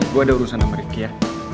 gue ada urusan sama ricky ya